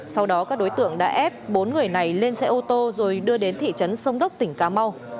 sau đó các đối tượng đã ép bốn người này lên xe ô tô rồi đưa đến thị trấn sông đốc tỉnh cà mau